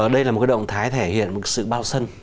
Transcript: đây là một động thái thể hiện một sự bao sân